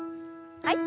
はい。